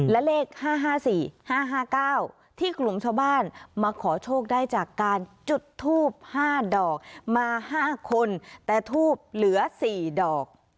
และเลข๕๕๔๕๕๙ที่กลุ่มชาวบ้านมาขอโชคได้จากการจุดทูบ๕ดอกมา๕คนแต่ทูบเหลือ๔ดอก